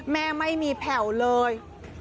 แม่ไม่มีแผ่วเลย